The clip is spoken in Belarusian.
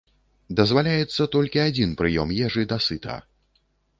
Дазваляецца толькі адзін прыём ежы дасыта.